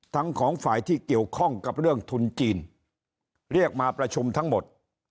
ของฝ่ายที่เกี่ยวข้องกับเรื่องทุนจีนเรียกมาประชุมทั้งหมด